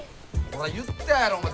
ほら言ったやろお前。